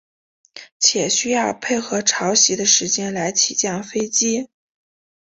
且需要配合潮汐的时间来起降飞机。